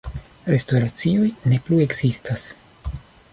Restoracioj ne plu ekzistas.